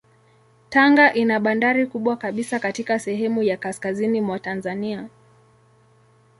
Tanga ina bandari kubwa kabisa katika sehemu ya kaskazini mwa Tanzania.